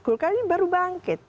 golkar ini baru bangkit